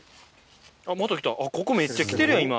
ここめっちゃ来てるやん今。